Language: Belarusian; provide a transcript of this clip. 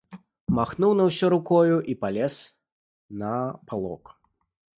Махнуў на ўсё рукою і палез на палок.